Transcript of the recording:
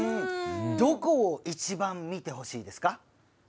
どこを一番見てほしいですか？